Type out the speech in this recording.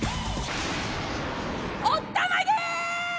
おったまげ！